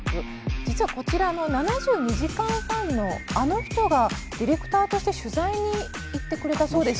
実はこちらの「７２時間」ファンのあの人がディレクターとして取材に行ってくれたそうです。